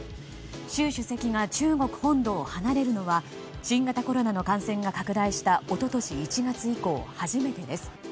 習主席が中国本土を離れるのは新型コロナの感染が拡大したおととし１月以降初めてです。